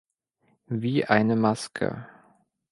Wie eine Maske.